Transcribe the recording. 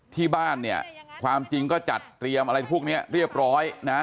ที่บ้านเนี่ยความจริงก็จัดเตรียมอะไรพวกนี้เรียบร้อยนะ